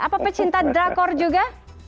apa pecinta drakor juga